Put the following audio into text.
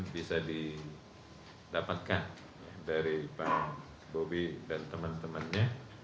bisa didapatkan dari pak bobi dan teman temannya